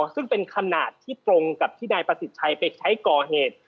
ซึ่งเป็นขนาดที่ตรงกับที่นายประสิทธิ์ชัยไปใช้ก่อเหตุ